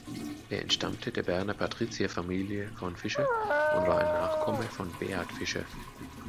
Er entstammte der Berner Patrizierfamilie von Fischer und war ein Nachkomme von Beat Fischer.